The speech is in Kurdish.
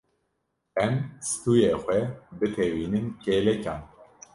Em stûyê xwe bitewînin kêlekan.